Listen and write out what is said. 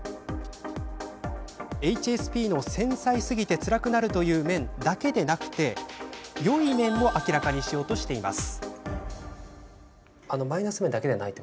ＨＳＰの繊細すぎてつらくなるという面だけでなくよい面も明らかにしようとしています。